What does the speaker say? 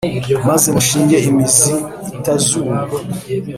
Maze mushinge imizi itazuma